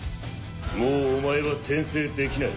もうお前は転生できない。